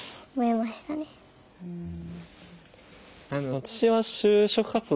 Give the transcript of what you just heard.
私は就職活動